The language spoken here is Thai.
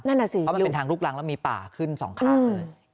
เพราะมันเป็นทางลูกรังแล้วมีป่าขึ้น๒ข้างเลย